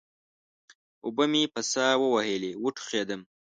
اوبه مې په سا ووهلې؛ وټوخېدم.